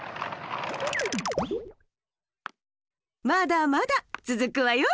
まだまだつづくわよ。